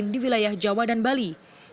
di wilayah jawa dan bali